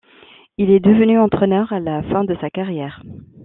Il est devenu entraîneur à la fin de sa carrière.